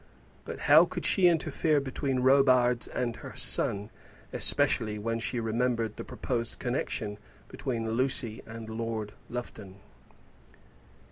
But how could she interfere between Robarts and her son, especially when she remembered the proposed connection between Lucy and Lord Lufton?